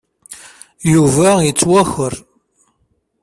Yuba yettwaker.